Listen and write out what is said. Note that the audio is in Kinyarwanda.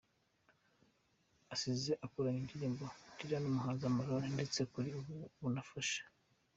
Asize akoranye indirimbo Delila n'umuhanzi Amalon ndetse kuri ubu banafashe